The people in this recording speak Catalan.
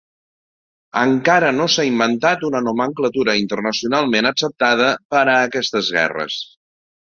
Encara no s'ha inventat una nomenclatura internacionalment acceptada per a aquestes guerres.